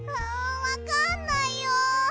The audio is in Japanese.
わかんないよ！